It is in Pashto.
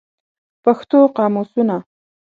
پښتو قاموسونه